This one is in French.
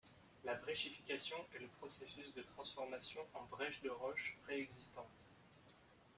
La bréchification est le processus de transformation en brèche de roches préexistantes.